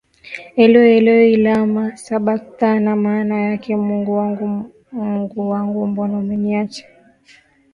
Eloi Eloi lama sabakthani maana yake Mungu wangu Mungu wangu mbona umeniacha